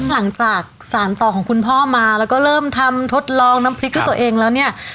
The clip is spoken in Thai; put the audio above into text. หลังจากสารต่อของคุณพ่อมาแล้วก็เริ่มทำทดลองน้ำพริกด้วยตัวเองแล้วเนี่ย